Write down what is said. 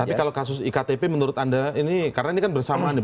tapi kalau kasus iktp menurut anda ini karena ini kan bersamaan